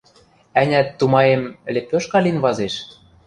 Ӓнят, тумаем, лепешка лин вазеш.